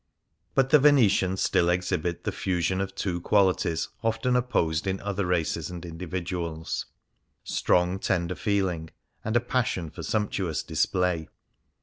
But the Venetians still exhibit the fusion of two qualities often opposed in other races and individuals — strong, tender feeling, and a pas sion for sumptuous display.